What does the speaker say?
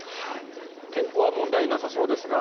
天候は問題なさそうですが。